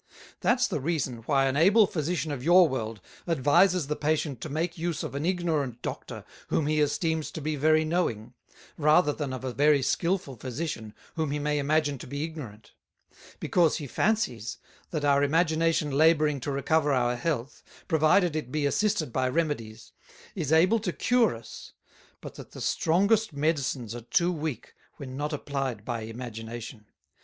That's the reason, why an able Physician of your World advises the Patient to make use of an Ignorant Doctor whom he esteems to be very knowing, rather than of a very Skilful Physician whom he may imagine to be Ignorant; because he fancies, that our Imagination labouring to recover our Health, provided it be assisted by Remedies, is able to cure us; but that the strongest Medicines are too weak, when not applied by Imagination.